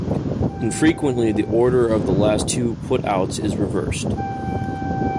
Infrequently, the order of the last two putouts is reversed.